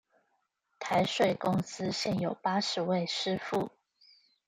台水公司現有八十位師傅